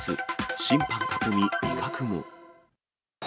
審判囲み、威嚇も。